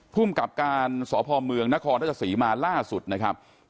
ผู้กำกับการสพเมืองนศสีมาล่าสุดนะครับ